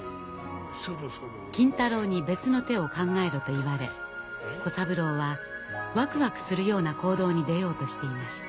金太郎に別の手を考えろと言われ小三郎はワクワクするような行動に出ようとしていました。